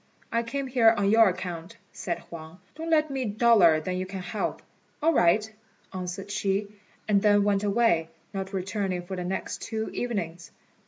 "I came here on your account," said Huang; "don't let me be duller than you can help." "All right," answered she, and then went away, not returning for the next two evenings.